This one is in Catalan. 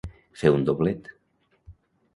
Fer un doblet.